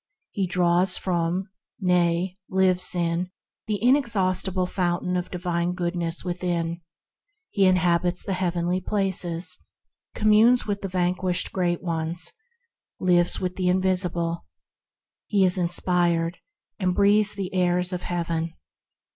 He draws from, nay, lives in, the inexhaustible fountain of divine Goodness within; he inhabits the Heavenly Places; lives with the Invisible: he is inspired and breathes the airs of Heaven.